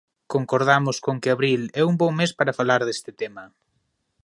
Concordamos con que abril é un bo mes para falar deste tema.